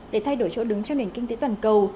để thay đổi chỗ đứng trong nền kinh tế toàn cầu